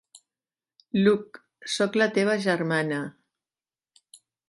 Luke, soc la teva germana!